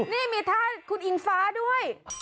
นี่มีท่าคุณอิงฟ้าด้วย